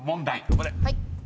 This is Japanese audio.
頑張れ。